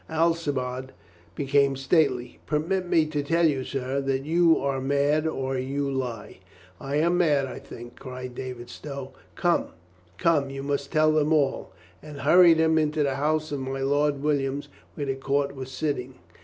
Alcibiade became stately. "Permit me to tell you, sir, that you are mad or you lie." "I am mad, I think," cried David Stow. "Come, come, you must tell them all," and hurried him into the house of my Lord Williams, where the court was sitting.